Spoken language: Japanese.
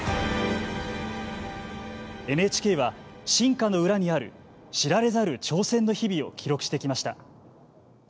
ＮＨＫは、進化の裏にある知られざる挑戦の日々を記録してきました。